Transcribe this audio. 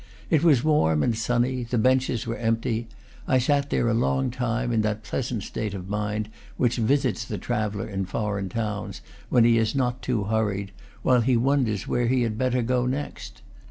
It was warm and sunny; the benches were empty; I sat there a long time, in that pleasant state of mind which visits the traveller in foreign towns, when he is not too hurried, while he wonders where he had better go next.